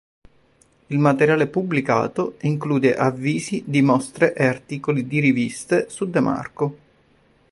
Il materiale pubblicato include avvisi di mostre e articoli di riviste su De Marco.